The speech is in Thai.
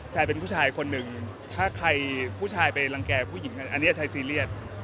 ชายเป็นผู้ชายคนหนึ่งถ้าใครผู้ชายไปรังแก่ผู้หญิงอันนี้ชายซีเรียส